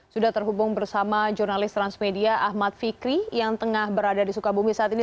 sudah terhubung bersama jurnalis transmedia ahmad fikri yang tengah berada di sukabumi saat ini